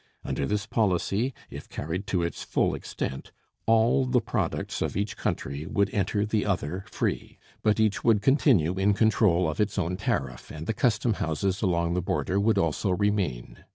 Under this policy, if carried to its full extent, all the products of each country would enter the other free, but each would continue in control of its own tariff, and the customhouses along the border would also remain.